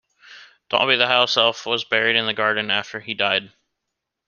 Dobby the house-elf was buried in the garden after he died.